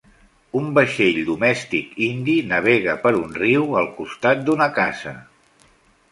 Un vaixell domèstic indi navega per un riu al costat d'una casa.